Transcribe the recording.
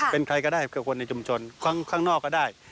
เป็นใครก็ได้คือคนในชุมชนข้างนอกก็ได้